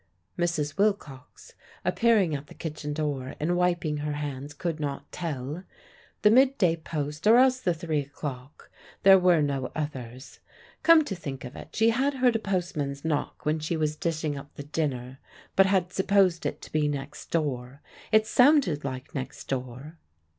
Mrs. Wilcox, appearing at the kitchen door and wiping her hands, could not tell. The midday post or else the three o'clock. There were no others. Come to think of it, she had heard a postman's knock when she was dishing up the dinner, but had supposed it to be next door. It sounded like next door.